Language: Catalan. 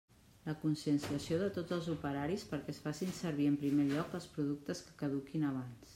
La conscienciació de tots els operaris perquè es facin servir en primer lloc els productes que caduquin abans.